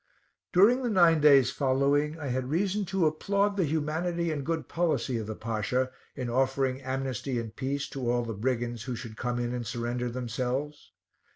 During the nine days following, I had reason to applaud the humanity and good policy of the Pasha, in offering amnesty and peace to all the brigands who should come in and surrender themselves.